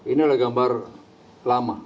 ini adalah gambar lama